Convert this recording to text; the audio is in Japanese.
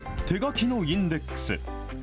そして、手書きのインデックス。